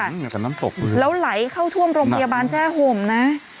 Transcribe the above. แล้วไหลเข้าท่วมโรงพยาบาลแจ้ห่มนะ